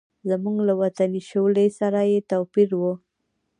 زموږ له وطني شولې سره یې توپیر و.